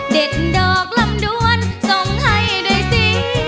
ดอกลำดวนส่งให้ด้วยสิ